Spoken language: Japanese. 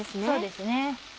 そうですね。